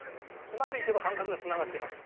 うまくいけば感覚が繋がっています。